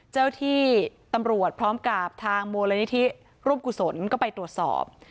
เจ้าที่ตำรวจพร้อมกับทางมูลนิธิร่วมกุศลก็ไปตรวจสอบ